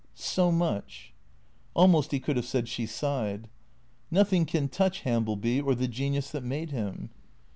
" So much " Almost he could have said she sighed. " Nothing can touch Hambleby or the genius that made him.''